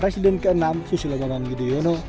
presiden ke enam susilo mananggidoyono